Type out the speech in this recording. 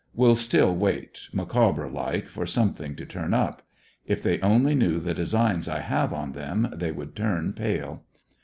Will still wait, McCawber like, for some thing to turn up. If they only knew the designs I have on them, they would turn pale.